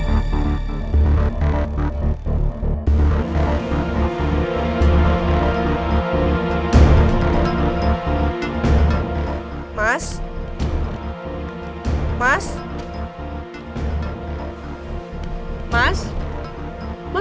kau akan kemampuan di depan